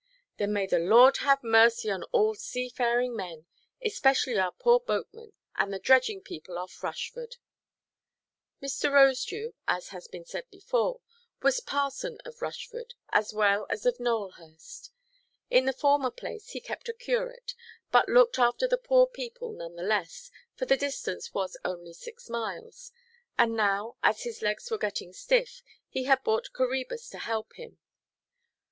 "Then may the Lord have mercy on all seafaring men, especially our poor boatmen, and the dredging people off Rushford!" Mr. Rosedew, as has been said before, was parson of Rushford as well as of Nowelhurst. At the former place he kept a curate, but looked after the poor people none the less, for the distance was only six miles; and now, as his legs were getting stiff, he had bought Coræbus to help him.